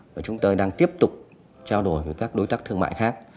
và chúng tôi đang tiếp tục trao đổi với các đối tác thương mại khác